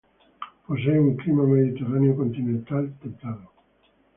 Posee un clima mediterráneo continental templado.